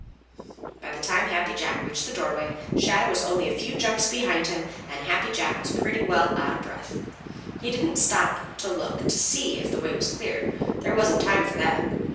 By the time Happy Jack reached the dooryard, Shadow was only a few jumps behind him, and Happy Jack was pretty well out of breath. He didn't stop to look to see if the way was clear. There wasn't time for that.